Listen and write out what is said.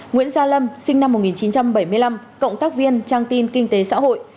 nguyễn gia lâm sinh năm một nghìn chín trăm bảy mươi năm cộng tác viên trang tin kinh tế xã hội